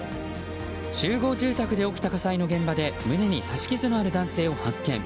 集合住宅で起きた火災の現場で胸に刺し傷のある男性を発見。